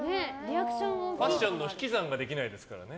ファッションの引き算ができないですからね。